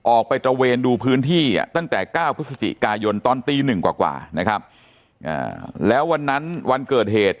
ออกไปตระเวนดูพื้นที่ตั้งแต่๙พฤศจิกายนตอนตีหนึ่งกว่านะครับแล้ววันนั้นวันเกิดเหตุ